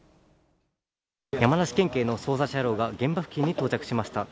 山梨県警の捜査車両が現場付近に到着しました。